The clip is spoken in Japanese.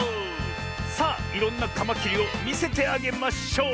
さあいろんなカマキリをみせてあげまショー！